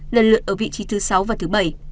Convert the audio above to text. lần lượt ở vị trí thứ sáu và thứ bảy